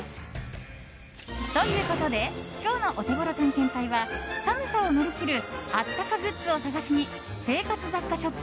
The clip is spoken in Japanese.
ということで今日のオテゴロ探検隊は寒さを乗り切るあったかグッズを探しに生活雑貨ショップ